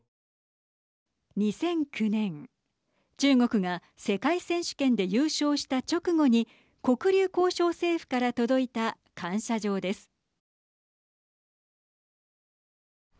２００９年、中国が世界選手権で優勝した直後に黒竜江省政府から届いた感謝状です。